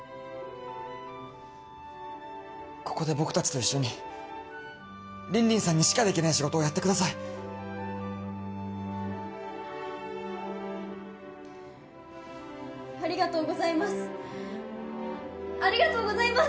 ここで僕達と一緒に凜々さんにしかできない仕事をやってくださいありがとうございますありがとうございます